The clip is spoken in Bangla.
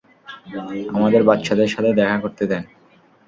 আমাদের বাচ্চাদের সাথে দেখা করতে দেন।